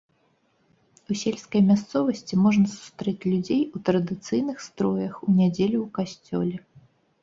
У сельскай мясцовасці можна сустрэць людзей у традыцыйных строях у нядзелю ў касцёле.